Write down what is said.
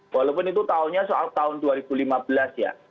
walaupun itu tahunnya soal tahun dua ribu lima belas ya